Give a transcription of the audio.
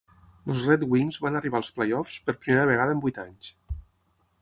Els Red Wings van arribar als play-offs per primera vegada en vuit anys.